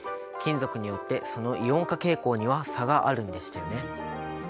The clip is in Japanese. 金属によってそのイオン化傾向には差があるんでしたよね。